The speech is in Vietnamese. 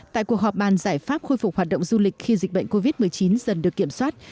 tại cuộc họp bàn giải pháp khôi phục hoạt động du lịch khi dịch bệnh covid một mươi chín dần được kiểm soát